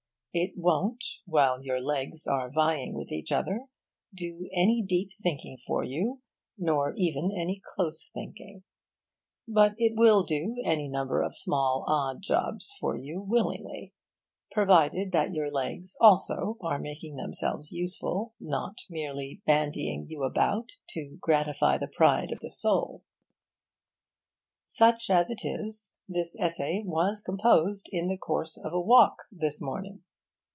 It won't, while your legs are vying with each other, do any deep thinking for you, nor even any close thinking; but it will do any number of small odd jobs for you willingly provided that your legs, also, are making themselves useful, not merely bandying you about to gratify the pride of the soul. Such as it is, this essay was composed in the course of a walk, this morning.